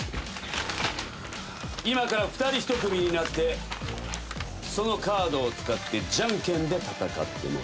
今から二人一組になってそのカードを使ってじゃんけんで戦ってもらう。